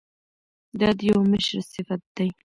دا د یو مشر صفت دی.